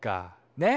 ねっ？